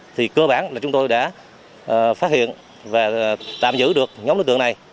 thì cơ bản là chúng tôi đã phát hiện và tạm giữ được nhóm đối tượng này